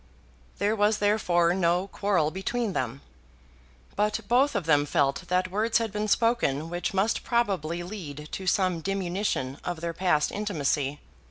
There was therefore no quarrel between them. But both of them felt that words had been spoken which must probably lead to some diminution of their past intimacy.